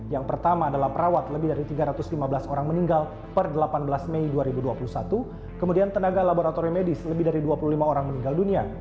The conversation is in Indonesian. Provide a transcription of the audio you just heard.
yang pertama adalah perawat lebih dari tiga ratus lima belas orang meninggal per delapan belas mei dua ribu dua puluh satu kemudian tenaga laboratorium medis lebih dari dua puluh lima orang meninggal dunia